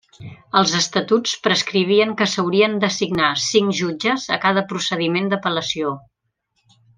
Els estatuts prescrivien que s'haurien d'assignar cinc jutges a cada procediment d'apel·lació.